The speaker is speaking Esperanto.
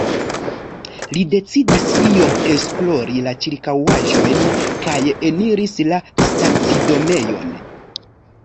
Li decidis iom esplori la ĉirkaŭaĵojn, kaj eniris la stacidomejon.